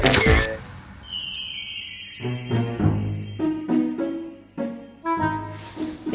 satu dua tiga